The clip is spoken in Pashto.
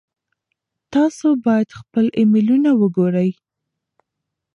تاسو باید خپل ایمیلونه وګورئ.